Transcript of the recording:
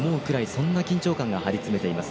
そんな緊張感が張り詰めています。